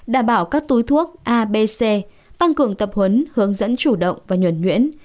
đảm bảo các túi thuốc a b c tăng cường tập huấn hướng dẫn chủ động và nhuẩn nhuyễn